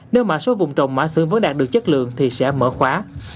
nếu mã số vùng trồng mã xưởng vẫn đạt được chất lượng thì sẽ mở khóa